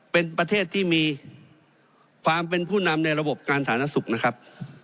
เป็นประเทศที่มีความเป็นผู้นำในระบบการสาธารณสุขนะครับ